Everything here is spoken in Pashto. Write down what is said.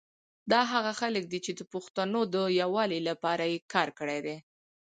دا هغه خلګ دي چي د پښتونو د یوالي لپاره یي کار کړي دی